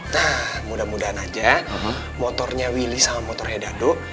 nah mudah mudahan aja motornya willy sama motornya dado